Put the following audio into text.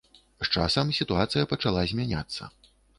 З часам, сітуацыя пачала змяняцца.